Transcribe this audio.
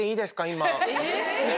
今？